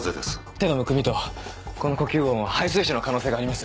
手のむくみとこの呼吸音は肺水腫の可能性があります。